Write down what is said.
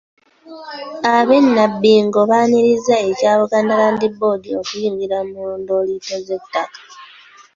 Ab’e Nabbingo baanirizza ekya Buganda Land Board okuyingira mu ndooliito z'ettaka.